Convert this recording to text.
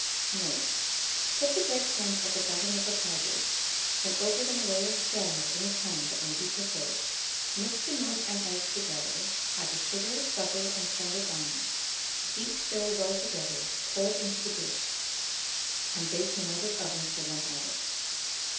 Mode. Put the bread crumbs at the bottom of a pie dish, then over them a layer of jam of any kind that may be preferred; mix the milk and eggs together; add the sugar, butter, and pounded almonds; beat fill well together; pour it into the dish, and bake in a moderate oven for 1 hour.